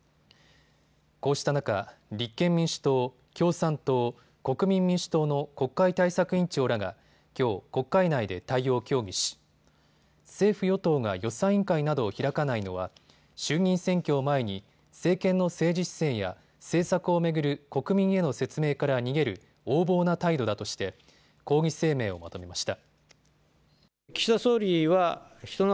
こうした中、立憲民主党、共産党、国民民主党の国会対策委員長らがきょう国会内で対応を協議し、政府与党が予算委員会などを開かないのは衆議院選挙を前に政権の政治姿勢や政策を巡る国民への説明から逃げる横暴な態度だとして抗議声明をまとめました。